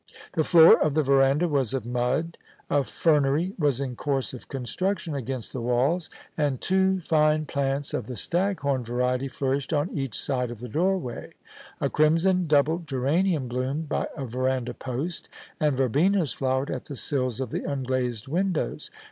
The floor of the verandah was of mud ; a fernery was in course of construction against the walls, and two fine plants of the staghom variety flourished on each side of the doorway ; a crimson double geranium bloomed by a verandah post, and verbenas flowered at the sills of the unglazed windows.